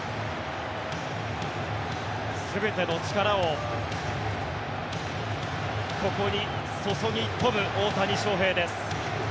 全ての力をここに注ぎ込む大谷翔平です。